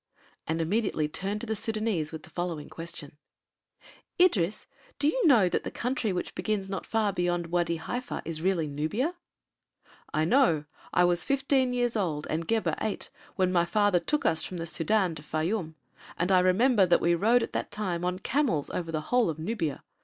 and immediately turned to the Sudânese with the following question: "Idris, do you know that the country which begins not far beyond Wâdi Haifa is really Nubia?" "I know. I was fifteen years old and Gebhr eight, when my father took us from the Sudân to Fayûm, and I remember that we rode at that time on camels over the whole of Nubia.